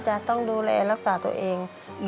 จะต้องดูแลรักษาตัวเอง